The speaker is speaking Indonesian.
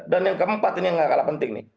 dan yang keempat ini yang nggak kalah penting nih